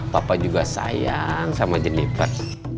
papa juga sayang sama jenniper